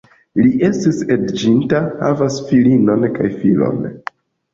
Li estas edziĝinta, havas filinon kaj filon.